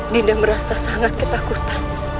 dinda merasa sangat ketakutan